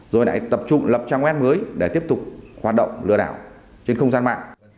rồi lại tập trung lập trang web mới để tiếp tục hoạt động lừa đảo trên không gian mạng